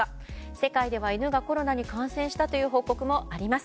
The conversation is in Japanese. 世界では犬がコロナに感染したという報告もあります。